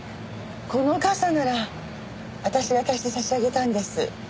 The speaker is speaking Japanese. この傘なら私が貸して差し上げたんです。